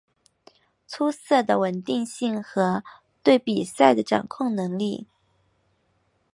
出色的稳定性和对比赛的掌控能力。